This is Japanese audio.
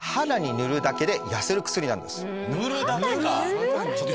「塗るだけで」